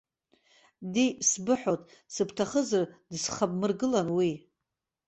Ди, сбыҳәоит, сыбҭахызар, дысхабмыргылан уи.